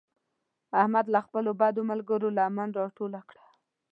احمد له خپلو بدو ملګرو لمن راټوله کړه.